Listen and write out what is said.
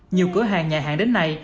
nhiều cửa hàng nhà hàng đến nay